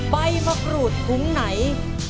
ใบมะกรูดถุงไหน